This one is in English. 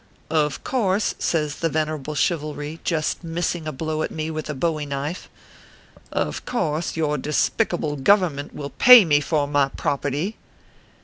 " Of course/ says the venerable Chivalry, just missing a blow at me with a bowie knife, " of course, your despicable Government will pay me for my property